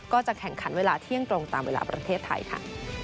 จะแข่งขันเวลาเที่ยงตรงตามเวลาประเทศไทยค่ะ